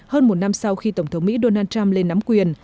hơn một năm sau khi tổng thống mỹ donald trump lên nắm quyền